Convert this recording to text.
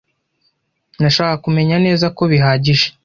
Nashakaga kumenya neza ko bihagije.